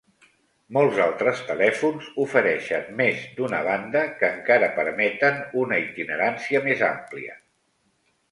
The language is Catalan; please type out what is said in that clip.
Molts altres telèfons ofereixen més d'una banda que encara permeten una itinerància més àmplia.